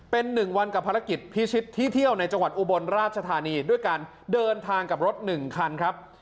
เป็น๑วันกับภารกิจพิชิตที่เที่ยวในจังหวัดอุบลราชธานีด้วยการเดินทางกับรถ๑คันครับ